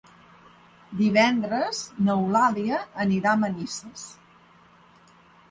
Divendres n'Eulàlia anirà a Manises.